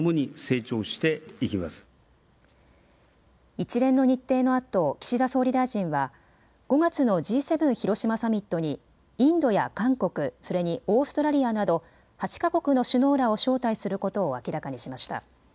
一連の日程のあと岸田総理大臣は５月のＧ７広島サミットにインドや韓国、それにオーストラリアなど８か国の首脳らを招待することを明らかにしました。